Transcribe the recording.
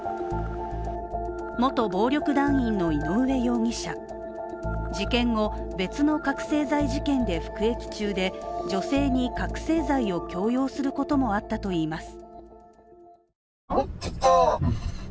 元暴力団員の井上容疑者。事件後、別の覚醒剤事件で服役中で女性に覚醒剤を強要することもあったといいます。